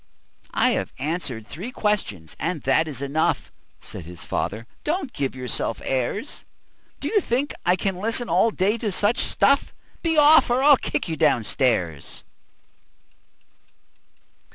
"I have answered three questions, and that is enough," Said his father. "Don't give yourself airs! Do you think I can listen all day to such stuff? Be off, or I'll kick you down stairs.